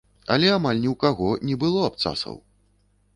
Але амаль ні ў каго не было абцасаў!